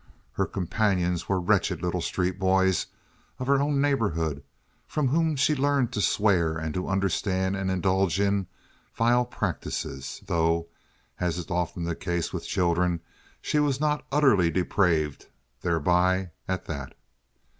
Her companions were wretched little street boys of her own neighborhood, from whom she learned to swear and to understand and indulge in vile practices, though, as is often the case with children, she was not utterly depraved thereby, at that.